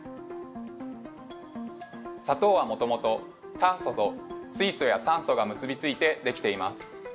砂糖はもともと炭素と水素や酸素が結び付いて出来ています。